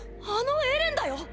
あのエレンだよ